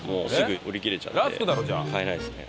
ラスクだろじゃあ。